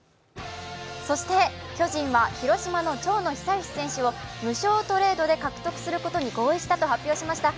そして巨人は広島の長野久義選手を無償トレードで獲得することに合意したと発表しました。